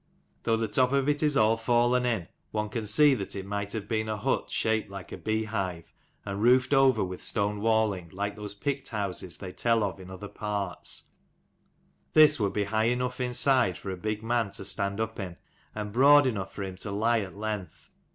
Though the top of it is all fallen in, one can see that it might have been a hut shaped like a beehive, and roofed over with stone walling like those Pict houses they tell of in other parts : this would be high enough inside for a big man to stand up in, and broad enough for him to lie at length.